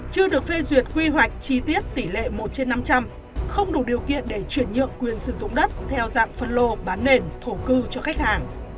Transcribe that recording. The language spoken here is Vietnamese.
chưa được phê duyệt quy hoạch chi tiết tỷ lệ một trên năm trăm linh không đủ điều kiện để chuyển nhượng quyền sử dụng đất theo dạng phân lô bán nền thổ cư cho khách hàng